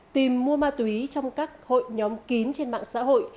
tìm mua ma túy trong các hội nhóm kín trên mạng xã hội